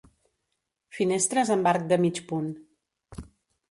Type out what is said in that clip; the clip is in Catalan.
Finestres amb arc de mig punt.